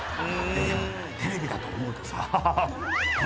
テレビだと思うとさ。